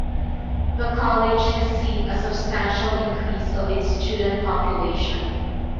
The college has seen a substantial increase of its student population.